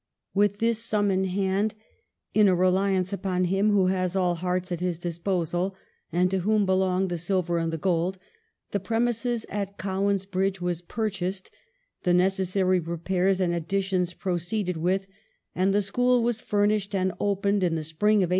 " With this sum in hand, in a reliance upon Him who has all hearts at his disposal, and to whom belong the silver and the gold, the prem ises at Cowan's Bridge were purchased, the nec essary repairs and additions proceeded with, and the school was furnished and opened in the spring of 1824.